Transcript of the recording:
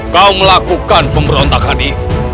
kau melakukan pemberontak hati